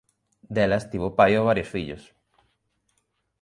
Delas tivo Paio varios fillos.